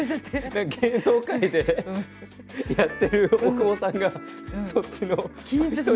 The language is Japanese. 芸能界でやってる大久保さんがそっちの。